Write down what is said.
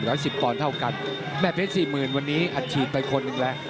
สิบปอนด์เท่ากันแม่เพชรสี่หมื่นวันนี้อัดฉีดไปคนหนึ่งแล้ว